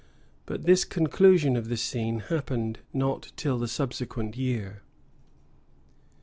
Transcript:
But this conclusion of the scene happened not till the subsequent year.